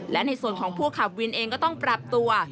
และในส่วนของผู้ขับวินเองก็ต้องปรับตัว